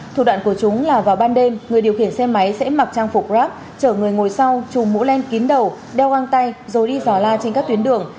thủ đoạn của chúng là vào ban đêm người điều khiển xe máy sẽ mặc trang phục grab chở người ngồi sau chùm mũ len kín đầu đeo găng tay rồi đi dò la trên các tuyến đường